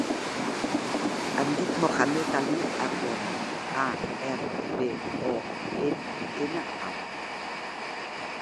Em dic Mohamed ali Arbona: a, erra, be, o, ena, a.